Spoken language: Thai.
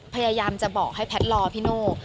พยายามจะบอกให้แพทย์รอพี่โน่